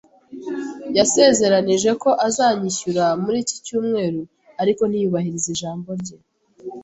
Yasezeranije ko azanyishyura muri iki cyumweru, ariko ntiyubahiriza ijambo rye.